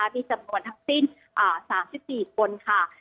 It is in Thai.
มีจำนวนทั้งสิ้น๓๔คนค่ะ